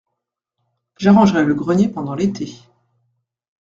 J’arrangerai le grenier pendant l’été.